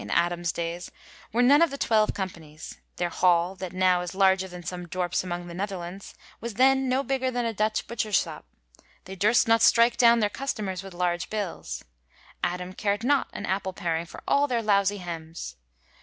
SHAKSPERE'S LONDON: BARBERS [in Adam's days] were none of the twelve companies: their hall, that now is larger than some dorpes among the Netherlands, was then no bigger than a Dutch butcher's shop : they durst not strike down their customers with large bills ; Adam cared not an apple paring for all their lousy hems.